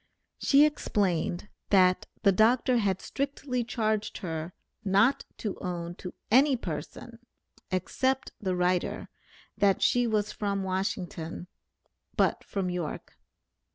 She explained, that the Dr. had strictly charged her not to own to any person, except the writer, that she was from Washington, but from York.